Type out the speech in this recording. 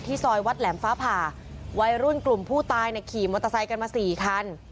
ซอยวัดแหลมฟ้าผ่าวัยรุ่นกลุ่มผู้ตายเนี่ยขี่มอเตอร์ไซค์กันมาสี่คัน